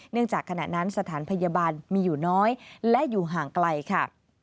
จากขณะนั้นสถานพยาบาลมีอยู่น้อยและอยู่ห่างไกลค่ะ